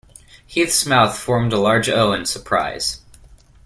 Keith's mouth formed a large O in surprise.